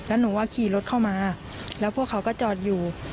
แล้วหนูก็ขี่รถเข้ามาแล้วพวกเขาก็จอดอยู่